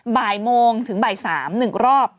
บ่ายโมงถึงบ่าย๓หนึ่งรอบ